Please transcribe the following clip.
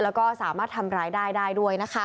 แล้วก็สามารถทำร้ายได้ได้ด้วยนะคะ